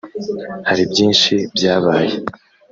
Hari byinshi byabaye